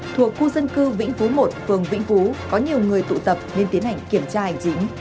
thuộc khu dân cư vĩnh phú một phường vĩnh phú có nhiều người tụ tập nên tiến hành kiểm tra hành chính